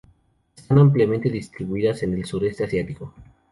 Están ampliamente distribuidas en el Sureste Asiático.